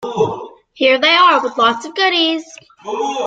Here they are with lots of goodies!